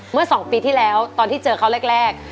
เมื่อ๒ปีที่แล้วตอนที่เจอเขาแรก